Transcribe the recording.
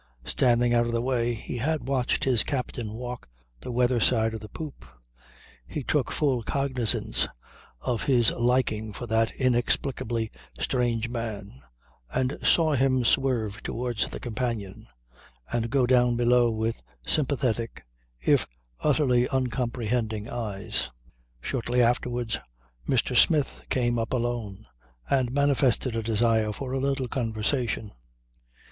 Standing out of the way, he had watched his captain walk the weather side of the poop, he took full cognizance of his liking for that inexplicably strange man and saw him swerve towards the companion and go down below with sympathetic if utterly uncomprehending eyes. Shortly afterwards, Mr. Smith came up alone and manifested a desire for a little conversation.